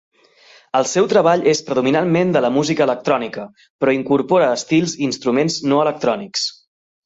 El seu treball és predominantment de la música electrònica, però incorpora estils i instruments no electrònics.